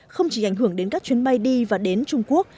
không chỉ ảnh hưởng đến các chuyến bay đi và đến trung quốc